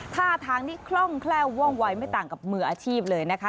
ท่าทางนี้คล่องแคล่วว่องวัยไม่ต่างกับมืออาชีพเลยนะคะ